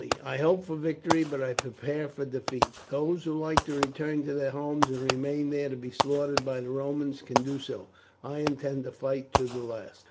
I hope for victory, but I prepare for defeat; those who like to return to their homes and remain there to be slaughtered by the Romans, can do so. I intend to fight to the last."